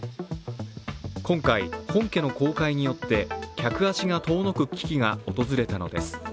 今回、本家の公開によって客足が遠くの危機が訪れたのです。